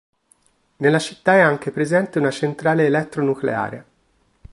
Nella città è anche presente una centrale elettronucleare.